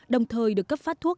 đồng thời được cấp phát thuốc